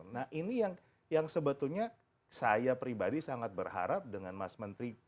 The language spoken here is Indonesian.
nah ini yang sebetulnya saya pribadi sangat berharap dengan mas menteri